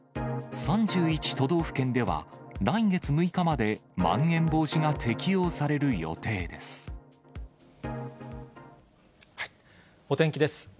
３１都道府県では、来月６日までまん延防止が適用される予定です。